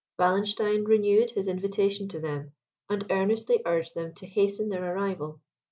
Wallenstein renewed his invitation to them, and earnestly urged them to hasten their arrival.